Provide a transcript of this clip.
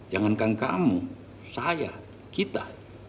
jangankan kamu saya kita